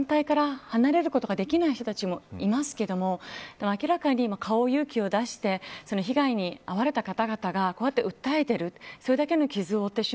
ですけど、はっきり言えるのはこの団体から離れることができない人たちもいますけど明らかに、顔や勇気を出して被害に遭われた方々がこうやって訴えている。